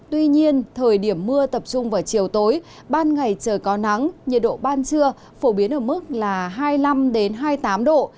tuy nhiên thời điểm mưa tập trung vào chiều tối ban ngày trời có nắng nhiệt độ ban trưa phổ biến ở mức là hai mươi năm hai mươi tám độ